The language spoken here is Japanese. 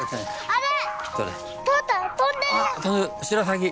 あれ！